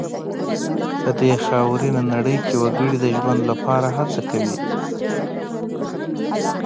په دې خاورینه نړۍ کې وګړي د ژوند لپاره هڅې کوي.